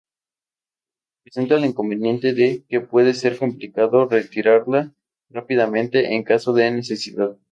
Presenta el inconveniente de que puede ser complicado retirarla rápidamente en caso de necesidad.